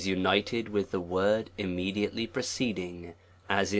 united with the word immediately preceding, as in , C3 p *^